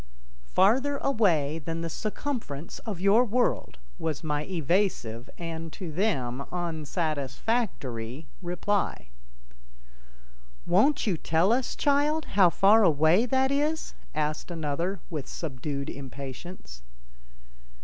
"Farther away than the circumference of your world," was my evasive and, to them, unsatisfactory reply. "Won't you tell us, child, how far away that is?" asked another with subdued impatience.